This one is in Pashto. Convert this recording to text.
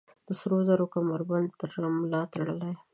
د سروزرو کمربند تر ملا تړلي